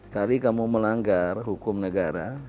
kali kamu melanggar hukum negara